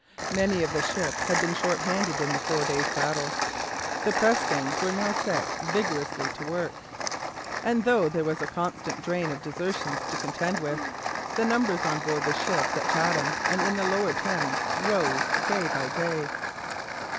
Many of the ships had been shorthanded in the four days' battle. The pressgangs were now set vigorously to work, and, though there was a constant drain of desertions to contend with, the numbers on board the ships at Chatham and in the lower Thames rose day by day.